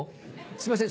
すいません